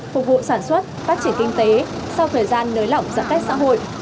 phục vụ sản xuất phát triển kinh tế sau thời gian nới lỏng giãn cách xã hội